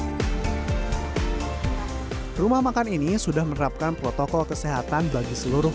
dan menjaga jarak membuat pengunjung aman dan nyaman saat menikmati masakan khas manado yang penuh dengan kemampuan